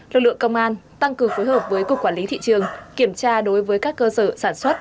lực lượng công an tăng cường phối hợp với cục quản lý thị trường kiểm tra đối với các cơ sở sản xuất